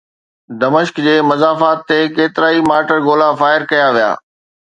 دمشق جي مضافات تي ڪيترائي مارٽر گولا فائر ڪيا ويا